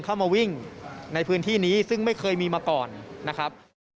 เข้ามาวิ่งในพื้นที่นี้ซึ่งไม่เคยมีมาก่อนนะครับ